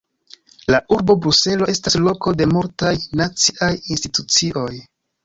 La Urbo Bruselo estas loko de multaj naciaj institucioj.